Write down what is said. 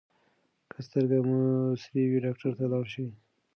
که سترګې مو سرې وي ډاکټر ته لاړ شئ.